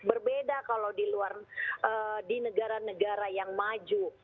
berbeda kalau di negara negara yang maju